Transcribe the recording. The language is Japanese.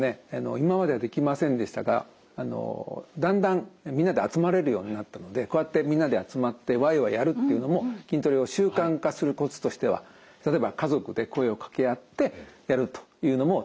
今まではできませんでしたがだんだんみんなで集まれるようになったのでこうやってみんなで集まってわいわいやるっていうのも筋トレを習慣化するコツとしては例えば家族で声を掛け合ってやるというのも楽しいかもしれませんね。